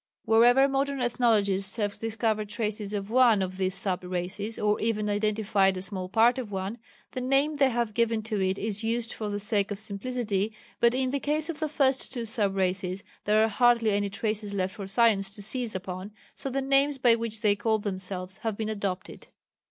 Wherever modern ethnologists have discovered traces of one of these sub races, or even identified a small part of one, the name they have given to it is used for the sake of simplicity, but in the case of the first two sub races there are hardly any traces left for science to seize upon, so the names by which they called themselves have been adopted.